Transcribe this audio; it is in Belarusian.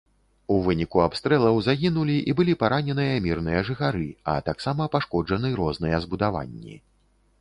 У выніку абстрэлаў загінулі і былі параненыя мірныя жыхары, а таксама пашкоджаны розныя збудаванні.